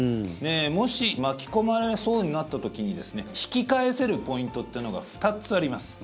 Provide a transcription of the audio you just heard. もし巻き込まれそうになった時に引き返せるポイントというのが２つあります。